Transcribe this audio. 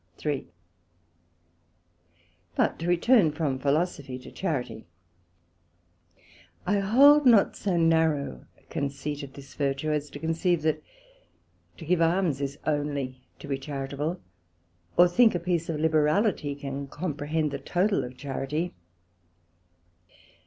SECT.3 But to return from Philosophy to Charity: I hold not so narrow a conceit of this virtue, as to conceive that to give Alms is onely to be Charitable, or think a piece of Liberality can comprehend the Total of Charity.